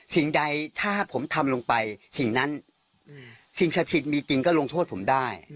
สิ่งใดถ้าผมทำลงไปสิ่งนั้นสิ่งศักดิ์สิทธิ์มีจริงก็ลงโทษผมได้